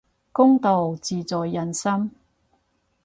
公道自在人心